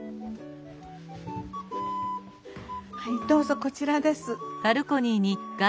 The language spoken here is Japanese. はいどうぞこちらです。